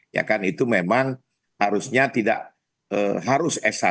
ya kan itu memang harusnya tidak harus s satu